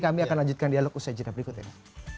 saya akan lanjutkan dialog usai cerita berikut ini